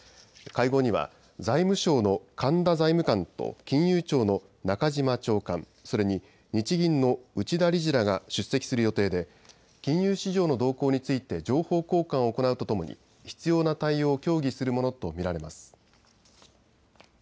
会合には財務省の神田財務官と金融庁の中島長官、それに日銀の内田理事らが出席する予定で金融市場の動向について情報交換を行うとともに必要な対応を協議するものと見られます。